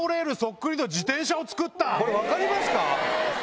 これ分かりますか？